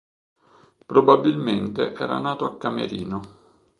Probabilmente era nato a Camerino.